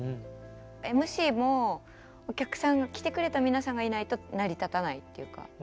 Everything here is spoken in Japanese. ＭＣもお客さんが来てくれた皆さんがいないと成り立たないっていうか